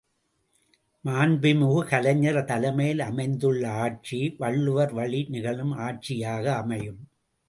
மாண்புமிகு கலைஞர் தலைமையில் அமைந்துள்ள ஆட்சி, வள்ளுவர் வழி நிகழும் ஆட்சியாக அமையும்.